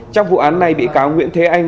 trong vụ án này bị cáo nguyễn thế anh